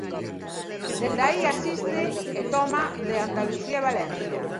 Dende aí asiste é toma de Andalucía e Valencia.